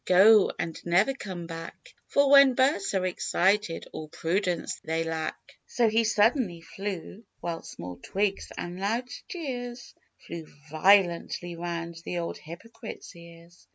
Go, and never come back; For, when birds are excited, all prudence they lack." So he suddenly flew, while small twigs and loud jeers Flew violently round the old hypocrite's ears.